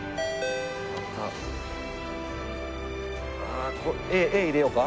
あ「Ａ」入れようか？